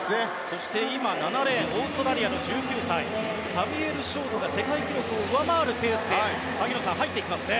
そして今７レーンオーストラリアの１９歳サミュエル・ショートが世界記録を上回るペースで入っていきますね。